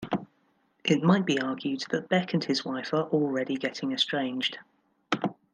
It might be argued that Beck and his wife are already getting estranged.